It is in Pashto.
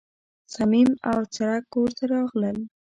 صمیم او څرک کور ته راغلل.